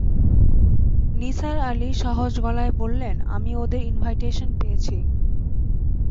নিসার আলি সহজ গলায় বললেন, আমি ওদের ইনভাইটেশন পেয়েছি।